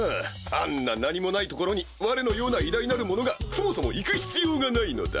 あんな何もない所にわれのような偉大なる者がそもそも行く必要がないのだ。